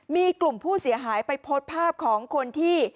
มีกลุ่มผู้เสียหายไปโพสต์ภาพของคนที่